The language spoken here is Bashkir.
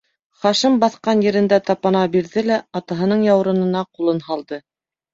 Хашим, баҫҡан ерендә тапана бирҙе лә атаһының яурынына ҡулын һалды: